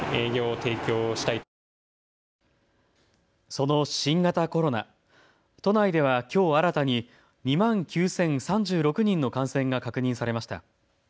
その新型コロナ、都内ではきょう新たに２万９０３６人の感染が確認されました。